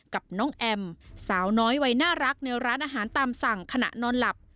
กับน้องแอมสาวน้อยวัยน่ารักในร้านอาหารตามสั่งขณะนอนหลับ